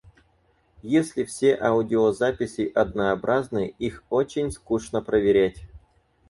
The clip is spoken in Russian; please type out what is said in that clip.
Если все аудиозаписи однообразны, их очень скучно проверять.